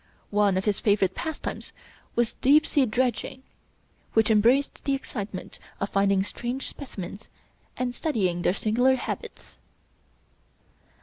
One of his favorite pastimes was deep sea dredging, which embraced the excitement of finding strange specimens and studying their singular habits.